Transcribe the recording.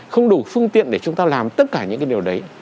không đủ phương tiện để chúng ta làm tất cả những cái điều đấy